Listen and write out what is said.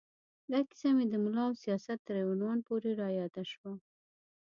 دا کیسه مې د ملا او سیاست تر عنوان پورې را یاده شوه.